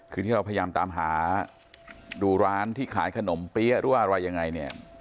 คือที่เราพยายามตามหาดูร้านที่ขายขนมเปี๊ยะหรือว่าอะไรยังไงเนี่ย